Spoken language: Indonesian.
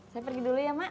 saya pergi dulu ya mak